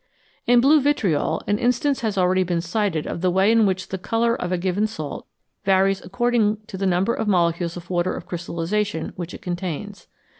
In blue vitriol an instance has already been cited of the way in which the colour of a given salt varies according to the number of molecules of water of crystallisation which it contains.